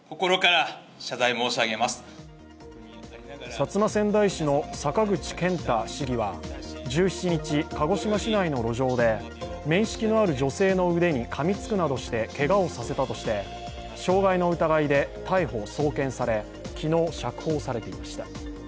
薩摩川内市の坂口健太市議は１７日、鹿児島市内の路上で面識のある女性の腕にかみつくなどして、けがをさせたとして傷害の疑いで逮捕・送検され、昨日釈放されていました。